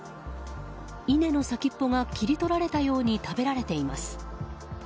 稲の先っぽが切り取られたように食べられています。